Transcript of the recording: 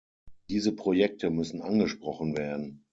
Diese Projekte müssen angesprochen werden.